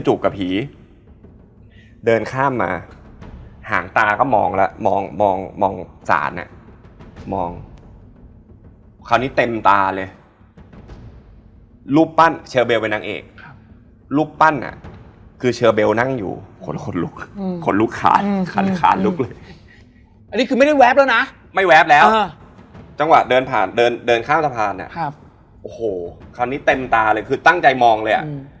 จะเอายังไงขอนอนได้ไหมถ้าไม่ไปจะแช่งนะ